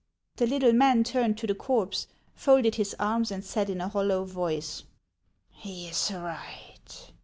The little man turned to the corpse, folded his arms, and said in a hollow voice :" He is right.